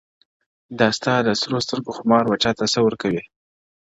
دا ستا دسرو سترگو خمار وچاته څه وركوي’